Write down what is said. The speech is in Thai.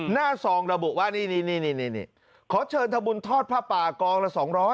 ซองระบุว่านี่ขอเชิญทำบุญทอดผ้าป่ากองละ๒๐๐